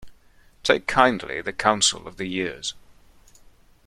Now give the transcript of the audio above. Take kindly the counsel of the years